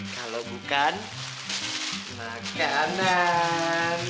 kalau bukan makanan